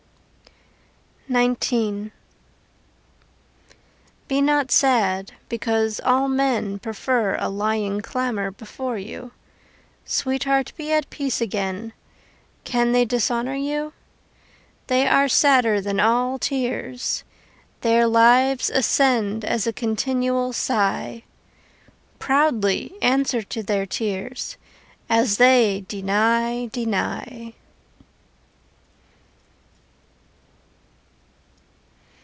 XIX Be not sad because all men Prefer a lying clamour before you: Sweetheart, be at peace again Can they dishonour you? They are sadder than all tears; Their lives ascend as a continual sigh. Proudly answer to their tears: As they deny, deny.